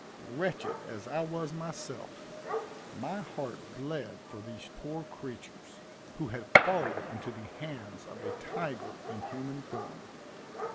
Wretched as I was myself, my heart bled for these poor creatures, who had fallen into the hands of a tiger in human form.